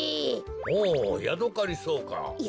おヤドカリソウか。